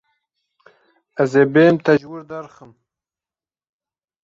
Ez ê bêm te ji wir derxim.